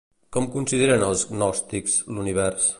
Com consideren els gnòstics l'Univers?